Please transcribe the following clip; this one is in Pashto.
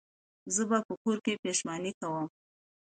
زه به په کور کې پیشمني کوم